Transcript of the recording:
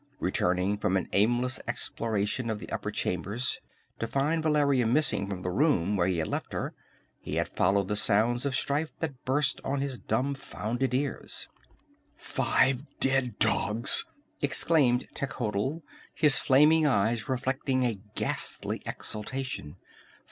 Returning from an aimless exploration of the upper chambers to find Valeria missing from the room where he had left her, he had followed the sounds of strife that burst on his dumbfounded ears. "Five dead dogs!" exclaimed Techotl, his flaming eyes reflecting a ghastly exultation.